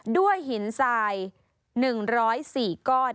ด้วยหินทราย๑๐๔ก้อน